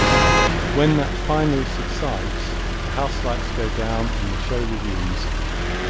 When that finally subsides, the house lights go down and the show resumes.